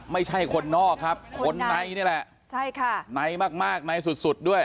ไม่ใช่คนนอกครับคนในนี่แหละใช่ค่ะในมากมากในสุดสุดด้วย